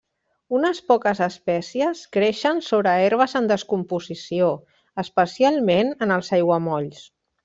Unes poques espècies creixen sobre herbes en descomposició, especialment en els aiguamolls.